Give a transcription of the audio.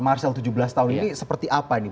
marcel tujuh belas tahun ini seperti apa nih